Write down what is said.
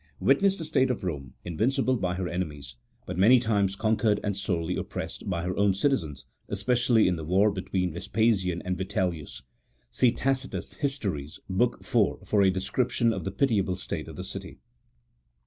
Witness the state of Rome, invincible by her enemies, but many times conquered and sorely oppressed by her own citizens, especially in the war between Ves pasian and Yitellius. (See Tacitus, Hist. bk. iv. for a de scription of the pitiable state of the city.)